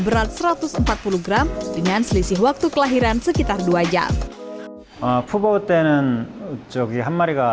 berat satu ratus empat puluh gram dengan selisih waktu kelahiran sekitar dua jam aku bauten jokowi yang mariga